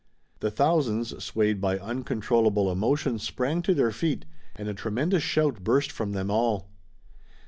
The thousands, swayed by uncontrollable emotion, sprang to their feet and a tremendous shout burst from them all.